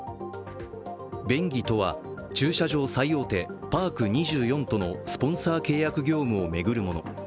便宜とは、駐車場最大手パーク２４とのスポンサー契約業務を巡るもの。